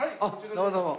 どうもどうも。